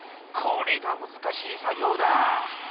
これが難しい作業だ。